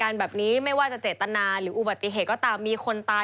ในป่าข้างทาง